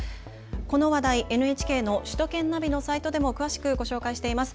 この話題、ＮＨＫの首都圏ナビのサイトでも詳しくご紹介しています。